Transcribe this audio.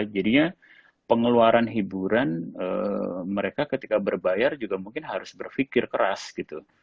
jadinya pengeluaran hiburan mereka ketika berbayar juga mungkin harus berpikir keras gitu